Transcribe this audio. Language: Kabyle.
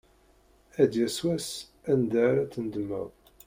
Ad d-yas wass anda ara tendemmeḍ.